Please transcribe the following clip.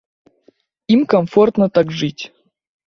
Ім камфортна так жыць.